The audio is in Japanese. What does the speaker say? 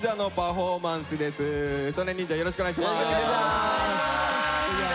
よろしくお願いします。